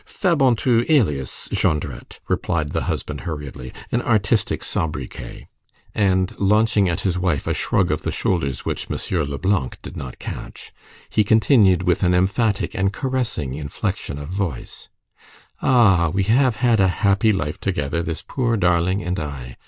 "Fabantou, alias Jondrette!" replied the husband hurriedly. "An artistic sobriquet!" And launching at his wife a shrug of the shoulders which M. Leblanc did not catch, he continued with an emphatic and caressing inflection of voice:— "Ah! we have had a happy life together, this poor darling and I!